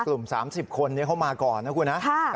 กลุ่ม๓๐คนนี้เขามาก่อนนะคุณนะ